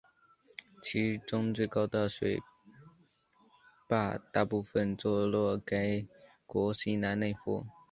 其中最高的水坝大部分坐落该国西南内腹。